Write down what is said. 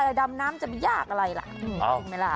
แล้วดำน้ำจะไม่ยากอะไรล่ะจริงไหมล่ะ